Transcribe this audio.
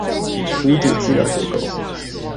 圖解資料結構